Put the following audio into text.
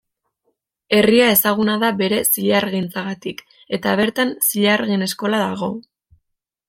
Herria ezaguna da bere zilargintzagatik, eta bertan zilargin eskola dago.